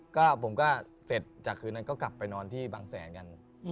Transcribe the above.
ก็ผมก็เสร็จจากคืนนั้นก็กลับไปนอนที่บางแสนกัน